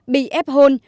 bị ép hôn